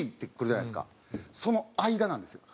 その間なんですよ。